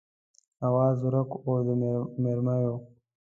آواز ورک و د مرمیو